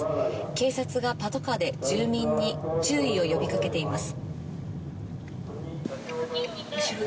警察がパトカーで住民に注意を呼びかけています。